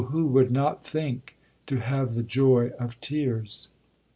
who would not think, to have the joy of tears?'